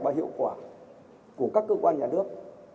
và hiệu quả của các cơ quan nhà nước